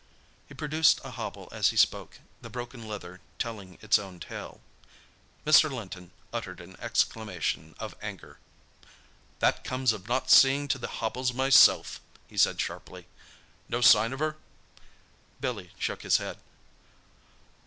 He produced a hobble as he spoke, the broken leather telling its own tale. Mr. Linton uttered an exclamation of anger. "That comes of not seeing to the hobbles myself," he said sharply. "No sign of her?" Billy shook his head.